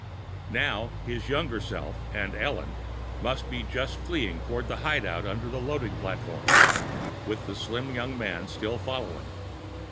Now, his younger self and Ellen must be just fleeing toward the hideout under the loading platform, with the slim man still following.